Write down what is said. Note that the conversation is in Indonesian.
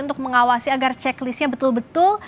untuk mengawasi agar checklistnya betul betul